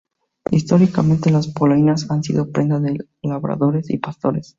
Históricamente, las polainas han sido prenda de labradores y pastores.